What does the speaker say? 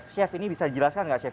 chef ini bisa dijelaskan nggak chef